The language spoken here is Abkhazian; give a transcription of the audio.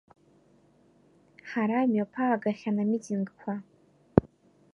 Ҳара имҩаԥаагахьан амитингқәа.